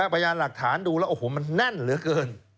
พยานหลักฐานดูแล้วโอ้โหมันแน่นเหลือเกิน